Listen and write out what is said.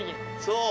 そう。